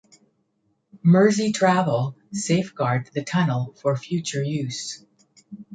Merseytravel safeguard the tunnel for future use.